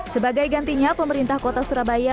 sebagai gantinya pemerintah kota surabaya